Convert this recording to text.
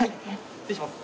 失礼します。